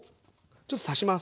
ちょっと刺します。